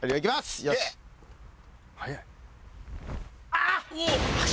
あっ！